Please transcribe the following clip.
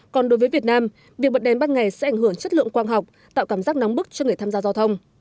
còn đối với việt nam việc bật đèn ban ngày sẽ ảnh hưởng chất lượng quang học tạo cảm giác nóng bức cho người tham gia giao thông